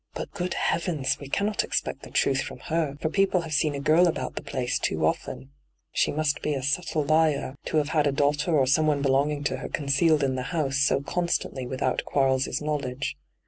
But, good heavens 1 we cannot expect the truth from her, for people have seen a girl about the place too often — she must be a subtle liar — to have had a daughter or someone belonging to her con cealed in the house so constantly without Qnarles' knowledge.